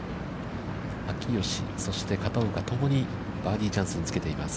秋吉、片岡共にバーディーチャンスにつけています。